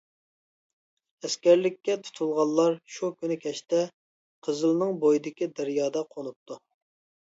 ئەسكەرلىككە تۇتۇلغانلار شۇ كۈنى كەچتە قىزىلنىڭ بويىدىكى دەريادا قونۇپتۇ.